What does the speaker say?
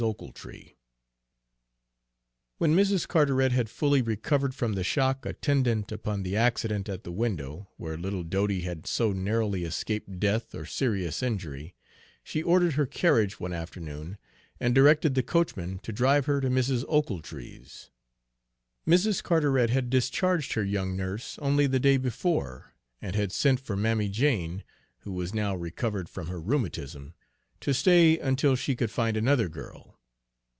OCHILTREE When Mrs. Carteret had fully recovered from the shock attendant upon the accident at the window, where little Dodie had so narrowly escaped death or serious injury, she ordered her carriage one afternoon and directed the coachman to drive her to Mrs. Ochiltree's. Mrs. Carteret had discharged her young nurse only the day before, and had sent for Mammy Jane, who was now recovered from her rheumatism, to stay until she could find another girl.